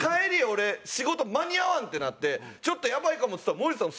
俺仕事間に合わんってなって「ちょっとやばいかも」っつったら森田さん